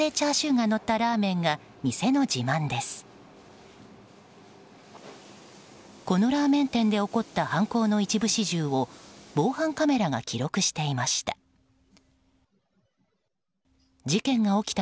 このラーメン店で起こった犯行の一部始終を防犯カメラが記録していました。